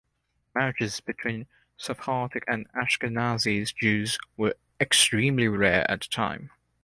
Marriages between Sephardic and Ashkenazi Jews were extremely rare at the time.